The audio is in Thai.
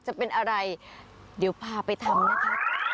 จะเป็นอะไรเดี๋ยวพาไปทำนะคะ